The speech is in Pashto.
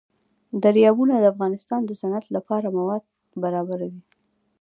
دریابونه د افغانستان د صنعت لپاره مواد برابروي.